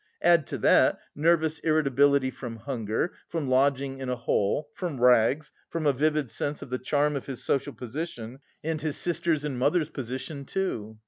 Add to that, nervous irritability from hunger, from lodging in a hole, from rags, from a vivid sense of the charm of his social position and his sister's and mother's position too.